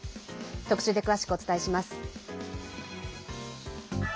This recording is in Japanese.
特集で詳しくお伝えします。